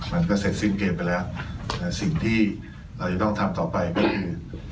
มันก็เสร็จสิ้นเกมไปแล้วแต่สิ่งที่เราจะต้องทำต่อไปก็คือ